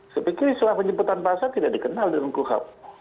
saya pikir surat penjemputan paksa tidak dikenal di rungguhap